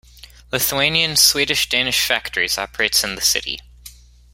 Lithuanian, Swedish, Danish factories operates in the city.